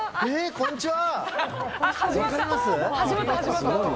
こんにちは。